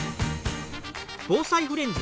防災フレンズ